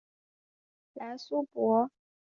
莱苏博。